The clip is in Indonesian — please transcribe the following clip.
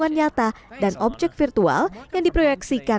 dan ini adalah keseimbangan antara lingkungan nyata dan objek virtual yang diproyeksikan